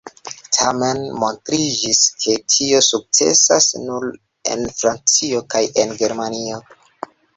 Tamen montriĝis, ke tio sukcesas nur en Francio kaj en Germanio.